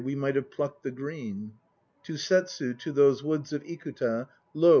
IKUTA 47 We might have plucked the green." ] To Settsu, to those woods of Ikuta Lo!